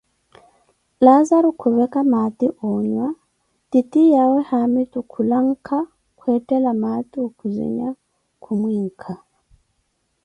Laazaru khuveca maati oonyua, titiyawe haamitu khulanka kwettela maati okhuzinha kumwinkha.